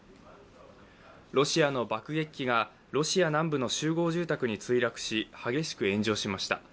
ロシアの爆撃機がロシア南部の集合住宅に墜落し激しく炎上しました。